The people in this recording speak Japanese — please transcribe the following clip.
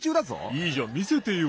いいじゃんみせてよ。